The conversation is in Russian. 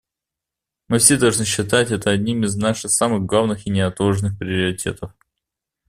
Мы все должны считать это одним из наших самых главных и неотложных приоритетов.